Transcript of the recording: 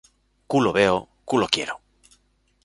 Culo veo, culo quiero